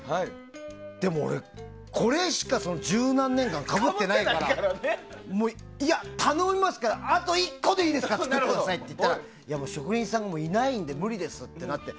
でも俺、これしか十何年間かぶってないからいや、頼みますからあと１個でいいですから作ってくださいって言ったらいや、もう職人さんがいないので無理ですってなって。